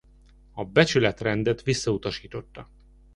A Becsületrendet visszautasította.